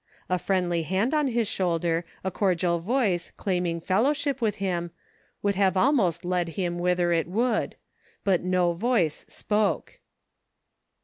A friendly hand on his shoulder, a cordial voice claim SEEKING STEPPING STONES. 21/ ing fellowship with him, could have almost led him whither it would ; but no voice spoke.